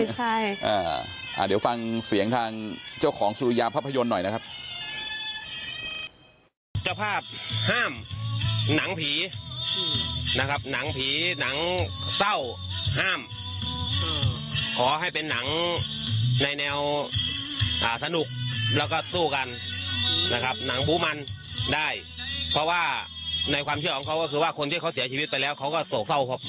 เดี๋ยวฟังเสียงทางเจ้าของสุริยาภาพยนตร์หน่อยนะครับ